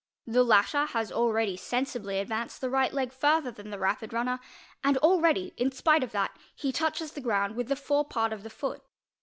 The latter has already sensibly advanced th right leg further than the rapi¢ runner and already, in spite o! that, he touches the ground with the forepart of the foot.